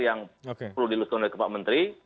yang perlu diluluskan oleh pak menteri